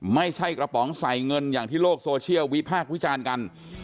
ไม่ใช่กระป๋องใส่เงินอย่างที่โลกโซเชียลวิพากษ์วิจารณ์กัน